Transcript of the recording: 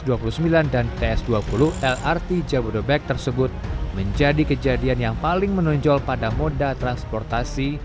dua puluh sembilan dan ts dua puluh lrt jabodebek tersebut menjadi kejadian yang paling menonjol pada moda transportasi